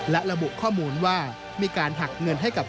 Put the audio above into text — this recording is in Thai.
และระบุข้อมูลว่ามีการหักเงินให้กับ